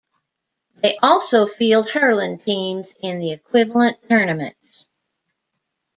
They also field hurling teams in the equivalent tournaments.